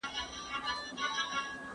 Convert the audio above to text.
د ژوند ترخې پيښې رامنځته کېږي.